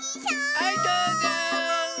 はいどうぞ。